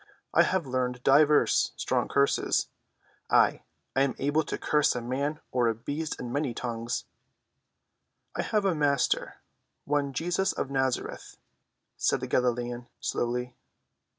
I have learned divers strong curses—ay, I am able to curse a man or a beast in many tongues." "I have a Master, one Jesus of Nazareth," said the Galilean slowly.